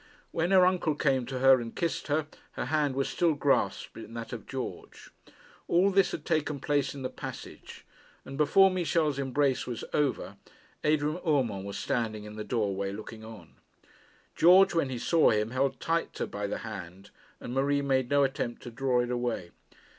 When her uncle came to her and kissed her, her hand was still grasped in that of George. All this had taken place in the passage; and before Michel's embrace was over, Adrian Urmand was standing in the doorway looking on. George, when he saw him, held tighter by the hand, and Marie made no attempt to draw it away.